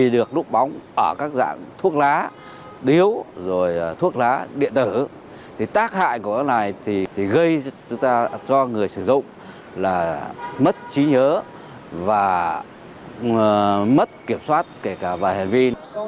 được núp bóng ở các dạng thuốc lá điếu rồi thuốc lá điện tử thì tác hại của nó này thì gây cho người sử dụng là mất trí nhớ và mất kiểm soát kể cả vài hành vi